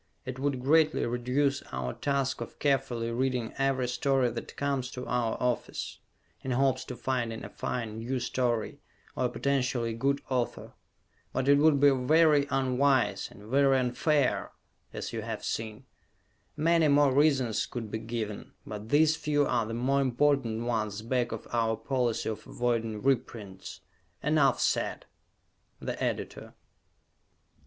It would greatly reduce our task of carefully reading every story that comes to our office, in hopes to finding a fine, new story, or a potentially good author. But it would be very unwise, and very unfair, as you have seen. Many more reasons could be given, but these few are the more important ones back of our policy of avoiding reprints. Enough said! _The Editor.